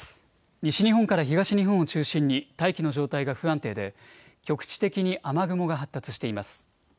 西日本から東日本を中心に大気の状態が不安定で局地的に雨雲が発達しています。